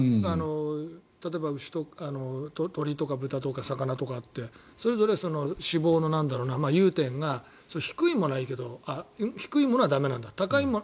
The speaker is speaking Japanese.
例えば鳥とか豚とか魚とかってそれぞれ脂肪の融点が低いものはいいあれ、駄目なんだ